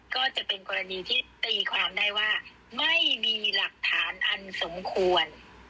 ก็จะเป็นกรณีที่ตีความได้ว่าไม่มีหลักฐานอันสมควร